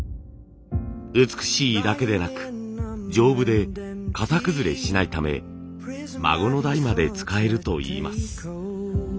美しいだけでなく丈夫で型崩れしないため孫の代まで使えるといいます。